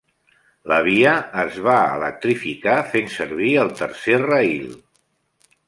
La via es va electrificar fent servir el tercer rail.